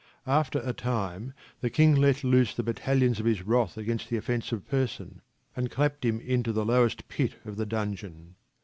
Aftera time the kinglet loose the battalions of his wrath against the offensive person, and clapped him into the lowest pit of the dungeon.